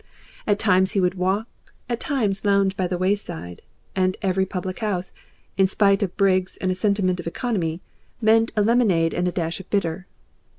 At times he would walk, at times lounge by the wayside, and every public house, in spite of Briggs and a sentiment of economy, meant a lemonade and a dash of bitter.